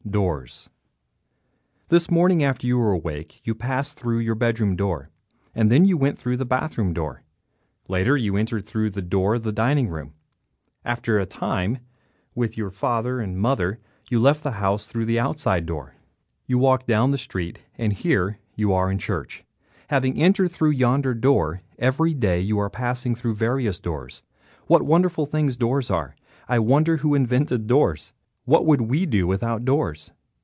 "_ DOORS This morning, after you were awake, you passed through your bedroom door. Then you went through the bathroom door. Later you entered, through a door, the dining room. After a time, with your father and mother, you left the house through the outside door. You walked down the street and here you are in church, having entered through yonder door. Every day you are passing through various doors. What wonderful things doors are! I wonder who invented doors. What would we do without doors?